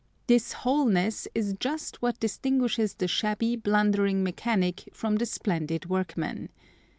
This wholeness is just what distinguishes the shabby, blundering mechanic from the splendid workman.